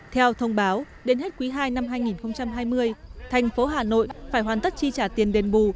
theo thông báo đến hết quý ii năm hai nghìn hai mươi thành phố hà nội phải hoàn tất chi trả tiền đền bù